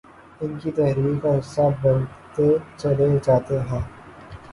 ان کی تحریر کا حصہ بنتے چلے جاتے ہیں